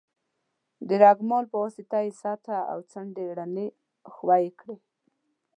د رېګمال په واسطه یې سطحه او څنډې رڼې او ښوي کړئ.